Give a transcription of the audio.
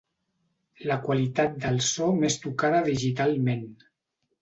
La qualitat del so més tocada digitalment.